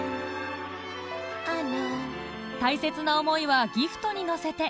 大切な思いはギフトに乗せて